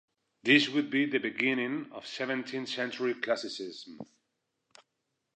This would be the beginning of seventeenth century "classicism".